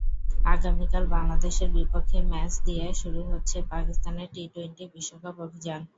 আগামীকাল বাংলাদেশের বিপক্ষে ম্যাচ দিয়ে শুরু হচ্ছে পাকিস্তানের টি-টোয়েন্টি বিশ্বকাপ অভিযান।